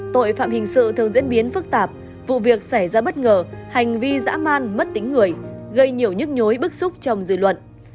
tội phạm hình sự thường diễn biến phức tạp vụ việc xảy ra bất ngờ hành vi dã man mất tính người gây nhiều nhức nhối bức xúc trong dự luận